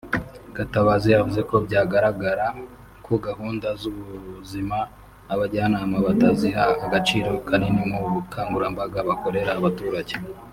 Gatabazi yavuze ko byagaragaraga ko gahunda z’ubuzima abajyanama batazihaga agaciro kanini mu bukangurambaga bakorera abaturage